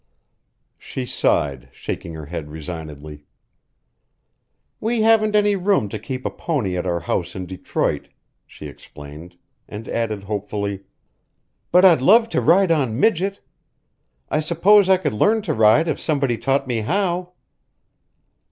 She sighed, shaking her head resignedly. "We haven't any room to keep a pony at our house in Detroit," she explained, and added hopefully: "But I'd love to ride on Midget. I suppose I could learn to ride if somebody taught me how."